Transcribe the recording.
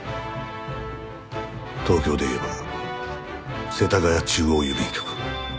東京で言えば世田谷中央郵便局。